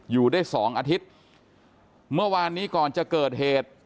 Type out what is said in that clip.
อยู่ได้สองอาทิตย์เมื่อวานนี้ก่อนจะเกิดเหตุ